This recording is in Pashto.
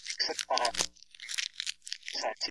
د اشنا د عشق یادګار په زړه کي ساتل کېږي.